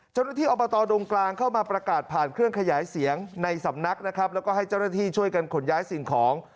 เจ้าหน้าที่อบตดงกลางเข้ามาประกาศผ่านเครื่องขยายเสียงในสำนักนะครับแล้วก็ให้เจ้าหน้าที่ช่วยกันขนย้ายสิ่งของ